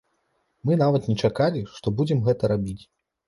Мы нават не чакалі, што будзем гэта рабіць.